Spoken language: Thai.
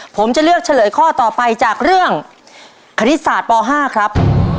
ผมจะเลือกเฉลยข้อต่อไปจากเรื่องคณิตศาสตร์ป๕ครับ